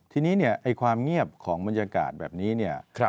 ทีนี้เนี่ยความเงียบของบรรยากาศแบบนี้เนี่ย